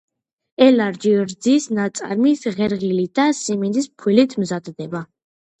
ელარჯი რძის ნაწარმით, ღერღილით და სიმინდის ფქვილით მზადდება.